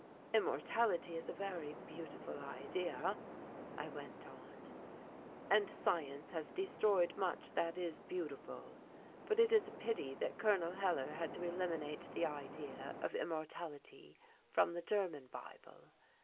"Immortality is a very beautiful idea," I went on, "and science has destroyed much that is beautiful. But it is a pity that Col. Hellar had to eliminate the idea of immortality from the German Bible.